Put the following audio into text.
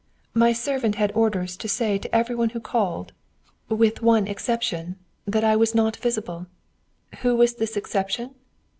My servant had orders to say to every one who called with one exception that I was not visible. Who was this exception?